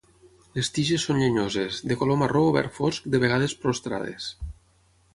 Les tiges són llenyoses, de color marró o verd fosc, de vegades prostrades.